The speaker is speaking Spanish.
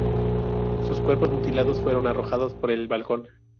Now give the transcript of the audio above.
Sus cuerpos mutilados fueron arrojados por el balcón.